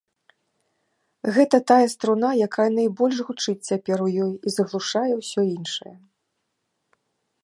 Гэта тая струна, якая найбольш гучыць цяпер у ёй і заглушае ўсё іншае.